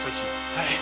はい。